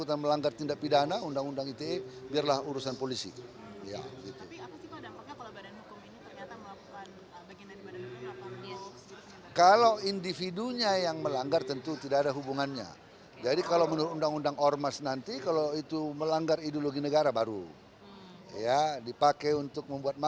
tidak ya udah individunya yang harus bertanggung jawab